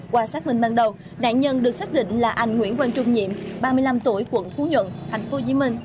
qua xác minh ban đầu nạn nhân được xác định là anh nguyễn quang trung nhiệm ba mươi năm tuổi quận phú nhuận tp hcm